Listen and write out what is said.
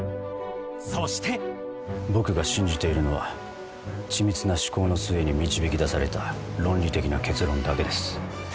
そして僕が信じているのは緻密な思考の末に導き出された論理的な結論だけです。